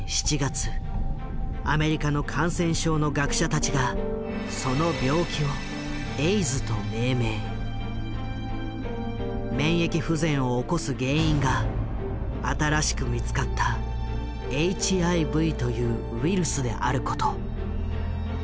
アメリカの感染症の学者たちがその病気を免疫不全を起こす原因が新しく見つかった「ＨＩＶ」というウイルスであること。